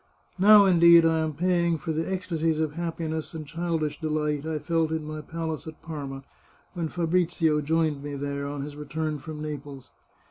Now, indeed, I am paying for the ecstasies of happiness and childish delight I felt in my palace at Parma, when Fabrizio joined me there on his return from Naples.